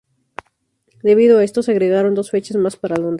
Debido a esto, se agregaron dos fechas más para Londres.